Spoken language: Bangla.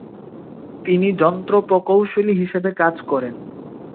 তিনি যন্ত্রপ্রকৌশলী হিসেবে কাজ করেন।